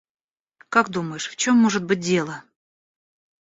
Как думаешь, в чём может быть дело?